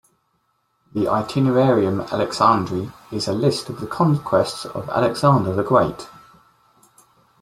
The "Itinerarium Alexandri" is a list of the conquests of Alexander the Great.